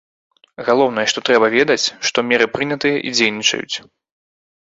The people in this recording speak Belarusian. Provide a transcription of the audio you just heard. Галоўнае, што трэба ведаць, што меры прынятыя і дзейнічаюць.